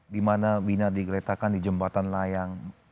di mana vina digeretakan di jembatan layang